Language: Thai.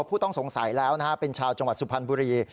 ผู้ต้องสงสัยแล้วนะฮะเป็นชาวจังหวัดสุพรรณบุรี